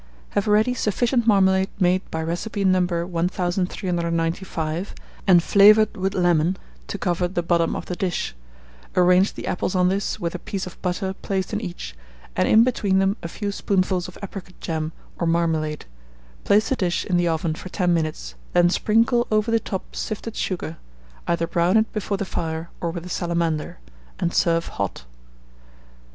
Have ready sufficient marmalade made by recipe No. 1395, and flavoured with lemon, to cover the bottom of the dish; arrange the apples on this with a piece of butter placed in each, and in between them a few spoonfuls of apricot jam or marmalade; place the dish in the oven for 10 minutes, then sprinkle over the top sifted sugar; either brown it before the fire or with a salamander, and serve hot.